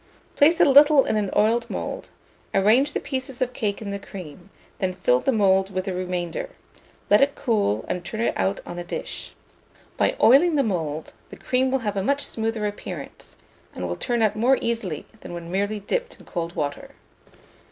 Place a little in an oiled mould; arrange the pieces of cake in the cream; then fill the mould with the remainder; let it cool, and turn it out on a dish. By oiling the mould, the cream will have a much smoother appearance, and will turn out more easily than when merely dipped in cold water.